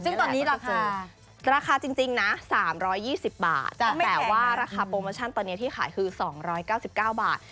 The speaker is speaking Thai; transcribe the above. ซึ่งตอนนี้ราคาราคาจริงนะ๓๒๐บาทแต่ว่าราคาโปรโมชั่นตอนนี้ที่ขายคือ๒๙๙บาท